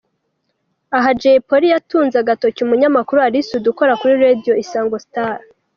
Aha Jay Polly yatunze agatoki umunyamakuru Ally Soudy ukora kuri Radio Isango Star.